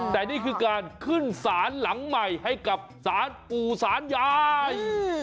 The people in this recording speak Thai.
แต่นี่คือการขึ้นศาลหลังใหม่ให้กับสารปู่สารยาย